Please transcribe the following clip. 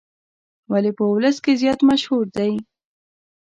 ولې په ولس کې زیات مشهور دی.